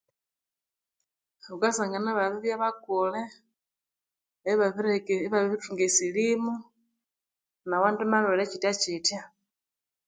Okasangana ibabiribya bakule ibabiritunga esilimu nawandi malhere kitya kitya